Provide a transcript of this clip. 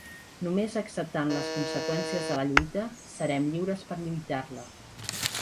Només acceptant les conseqüències de la lluita serem lliures per a lluitar-la.